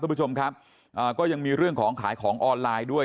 คุณผู้ชมครับก็ยังมีเรื่องของขายของออนไลน์ด้วย